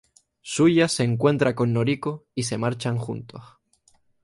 Shuya se reencuentra con Noriko y se marchan juntos.